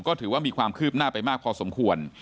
ก็ถือว่ามีความคืบหน้าไปมากพอสมควร